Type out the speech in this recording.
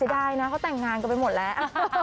ได้นะเขาแต่งงานกันไปหมดแล้ว